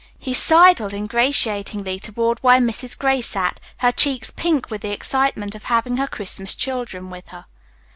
He sidled ingratiatingly toward where Mrs. Gray sat, her cheeks pink with the excitement of having her Christmas children with her.